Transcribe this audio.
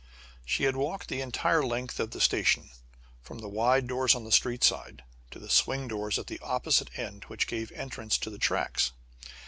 She had walked the entire length of the station from the wide doors on the street side to the swing doors at the opposite end which gave entrance to the tracks.